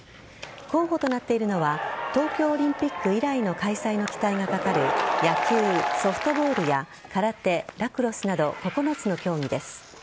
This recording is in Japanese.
候補となっているのは東京オリンピック以来の開催の期待がかかる野球・ソフトボールや空手、ラクロスなど９つの競技です。